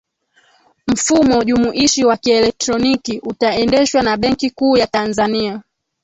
mfumo jumuishi wa kieletroniki utaendeshwa na benki kuu ya tanzania